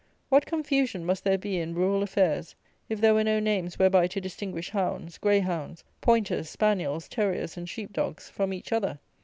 What confusion must there be in rural affairs, if there were no names whereby to distinguish hounds, greyhounds, pointers, spaniels, terriers, and sheep dogs, from each other!